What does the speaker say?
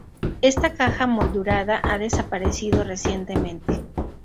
Esta caja moldurada ha desaparecido recientemente.